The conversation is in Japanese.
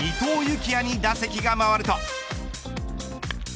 季也に打席が回ると。